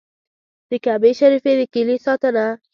د کعبې شریفې د کیلي ساتنه.